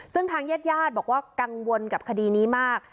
ซึ่งทางญาติญาติบอกว่ากังวลกับคดีนี้มาก